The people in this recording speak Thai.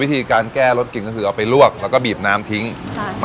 วิธีการแก้รสกินก็คือเอาไปลวกแล้วก็บีบน้ำทิ้งใช่